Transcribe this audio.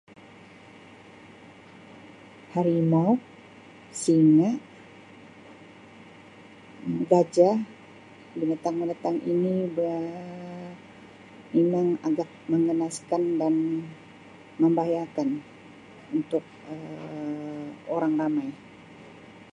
Harimau, Singa, Um Gajah, binatang-binatang ini ba- memang agak mengganaskan dan membahayakan untuk Um orang ramai.